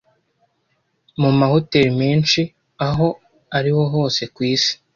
mumahoteri menshi aho ariho hose kwisi.